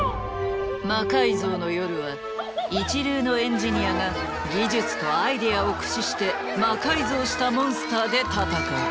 「魔改造の夜」は一流のエンジニアが技術とアイデアを駆使して魔改造したモンスターで戦う。